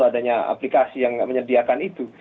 adanya aplikasi yang menyediakan itu